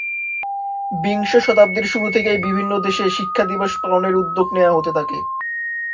বিংশ শতাব্দীর শুরু থেকেই বিভিন্ন দেশে শিক্ষা দিবস পালনের উদ্যোগ নেয়া হতে থাকে।